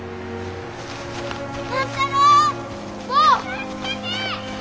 ・助けて！